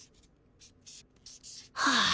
はあ